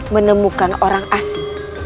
menemukan orang asli